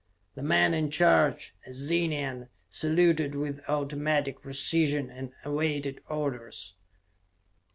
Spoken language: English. The man in charge, a Zenian, saluted with automatic precision and awaited orders.